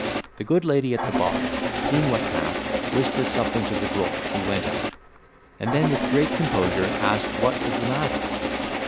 The good lady at the bar, seeing what passed, whispered something to the drawer, who went out; and then with great composure, asked what was the matter?